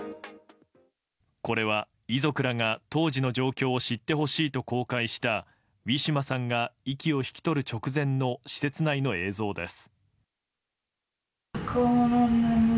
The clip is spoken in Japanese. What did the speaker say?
これは、遺族らが当時の状況を知ってほしいと公開したウィシュマさんが息を引き取る直前の施設内の映像です。